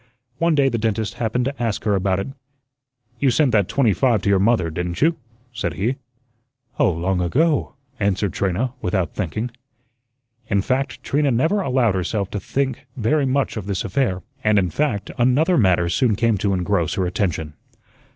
One day the dentist happened to ask her about it. "You sent that twenty five to your mother, didn't you?" said he. "Oh, long ago," answered Trina, without thinking. In fact, Trina never allowed herself to think very much of this affair. And, in fact, another matter soon came to engross her attention.